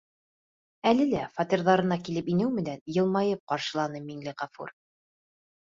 Әле лә, фатирҙарына килеп инеү менән, йылмайып ҡаршыланы Миңлеғәфүр.